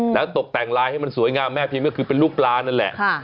แล้วตกแต่งลายให้มันสวยงามแม่พิมพ์ก็คือเป็นลูกปลานั่นแหละ